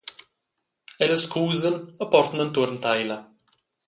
Ellas cusan e portan entuorn teila.